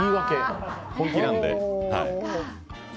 本気なので。